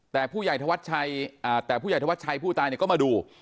แต่ผู้ใหญ่ทวรรษชัยผู้ตายเนี่ยก็มาดู